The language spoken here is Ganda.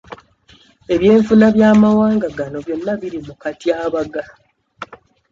Ebyenfuna by'amawanga gano byonna biri mu katyabaga.